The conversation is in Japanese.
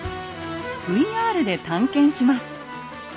ＶＲで探検します。